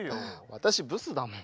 私ブスだもん。